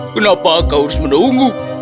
kenapa kau harus menunggu